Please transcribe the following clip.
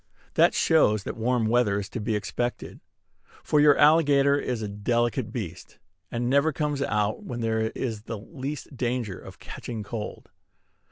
That shows that warm weather is to be expected; for your alligator is a delicate beast, and never comes out when there is the least danger of catching cold.